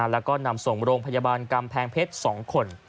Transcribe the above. แล้วก็นำส่งโรงพยาบาลกำแพงเพชร๒คน